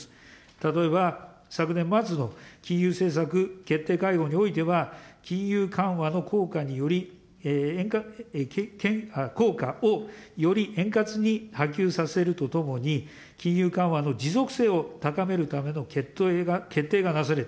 例えば、昨年末の金融政策決定会合においては、金融緩和の効果により、効果をより、円滑に波及させるとともに、金融緩和の持続性を高めるための決定がなされた。